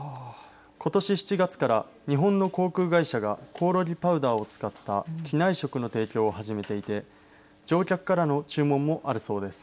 今年７月から日本の航空会社がこおろぎパウダーを使った機内食の提供を始めていて乗客からの注文もあるそうです。